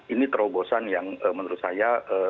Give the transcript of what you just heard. ini terobosan yang menurut saya bagus dilakukan